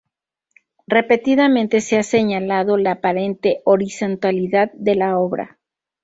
Repetidamente se ha señalado la aparente horizontalidad de la obra.